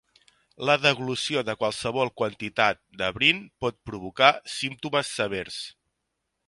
La deglució de qualsevol quantitat d'abrin pot provocar símptomes severs.